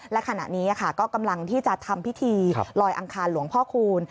และขณะนี้ก็กำลังที่จะทำพิธีลอยอังคารหลวงพ่อคูณ